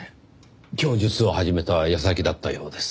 供述を始めた矢先だったようです。